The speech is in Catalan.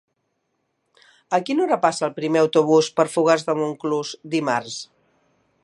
A quina hora passa el primer autobús per Fogars de Montclús dimarts?